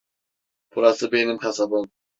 Burası benim kasabam.